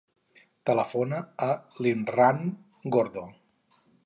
Telefona a l'Imran Gordo.